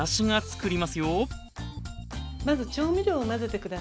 まず調味料を混ぜて下さい。